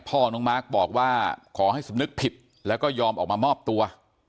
น้องมาร์คบอกว่าขอให้สำนึกผิดแล้วก็ยอมออกมามอบตัว